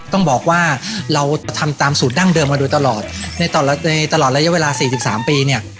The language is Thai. ต้องบอกว่าเราทำตามสูตรดั้งเดิมมาโดยตลอดในตลอดในตลอดระยะเวลาสี่สิบสามปีเนี้ย